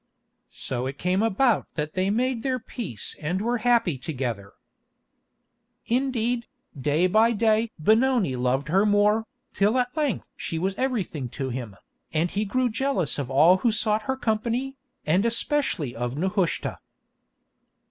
So it came about that they made their peace and were happy together. Indeed, day by day Benoni loved her more, till at length she was everything to him, and he grew jealous of all who sought her company, and especially of Nehushta.